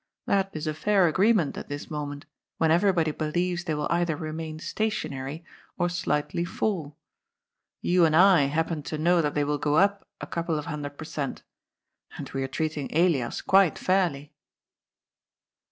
That is a fair agreement at this moment, when everybody believes they will either re main stationary, or slightly falL You and I happen to know that they will go up a couple of hundred per cent. And we are treating Elias quite fairly.''